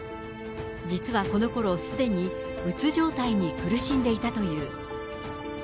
実はこのころ、すでにうつ状態に苦しんでいたという。